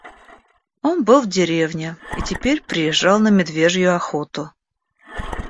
Он был в деревне и теперь приезжал на медвежью охоту.